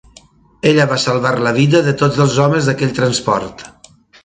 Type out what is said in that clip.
Ella va salvar la vida de tots els homes d'aquell transport.